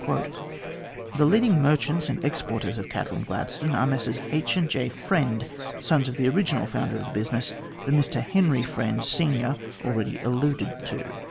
The leading merchants and exporters of cattle in Glad stone are the Messrs H. & J. Friend, sons of the original founder of the business, the Mr Henry Friend, senior, already alluded to.